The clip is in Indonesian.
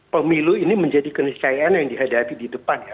pemilu ini menjadi keniscayaan yang dihadapi di depan ya